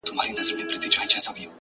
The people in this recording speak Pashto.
• پر دې گناه خو ربه راته ثواب راکه؛